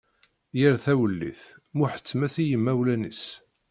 Yir tawellit, muḥettmet i yimawlan-is.